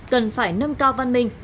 cần phải nâng cao văn minh